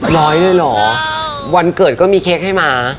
ร้อยเลยเหรอวันเกิดก็มีเค้กให้มา